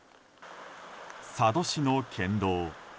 佐渡市の県道。